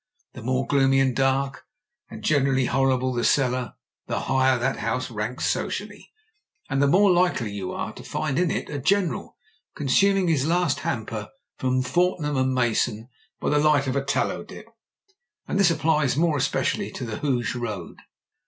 The more gloomy, and dark, and generally horrible the cellar, the higher that house ranks socially, and the more likely are you to find in it a general consuming his last hamper from Fortnum & Mason by the light of a tallow dip. And this applies more especially to the Hooge road.